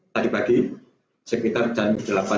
tak dibagi sekitar jam delapan tiga puluh